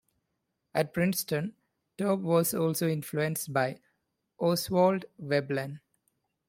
At Princeton, Taub was also influenced by Oswald Veblen.